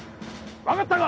「分かったか？」